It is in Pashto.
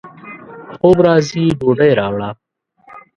خوب راځي ، ډوډۍ راوړه